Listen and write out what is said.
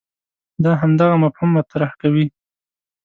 دا همدغه مفهوم مطرح کوي.